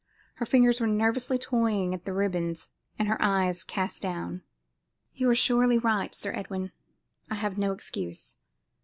Her fingers were nervously toying at the ribbons and her eyes cast down. "You are surely right, Sir Edwin. I have no excuse.